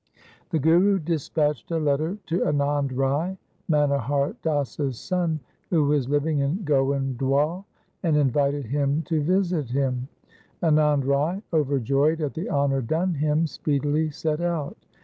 The Guru dispatched a letter to Anand Rai, Manohar Das's son, who was living in Goindwal, and invited him to visit him. Anand Rai, over joyed at the honour done him, speedily set out.